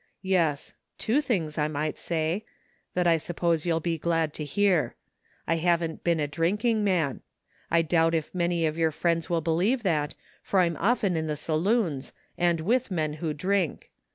" Yes — ^two things, I might say — that I suppose you'll be glad to hear. I haven't been a drink ing man! I doubt if many of your friends will be lieve that, for I'm often in the saloons, and with men who drink.